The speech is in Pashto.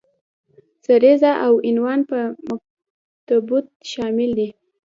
سریزه او عنوان په مکتوب کې شامل دي.